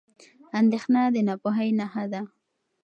اندېښنه د ناپوهۍ نښه ده.